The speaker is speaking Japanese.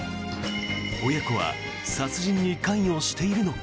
親子は殺人に関与しているのか？